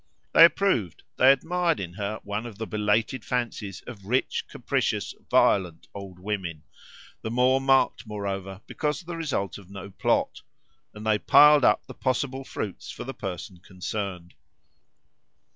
They approved, they admired in her one of the belated fancies of rich capricious violent old women the more marked moreover because the result of no plot; and they piled up the possible fruits for the person concerned.